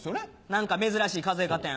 何か珍しい数え方や。